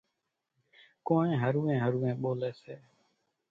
ڪونئين هروين هروين ٻوليَ سي۔